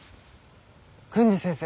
郡司先生。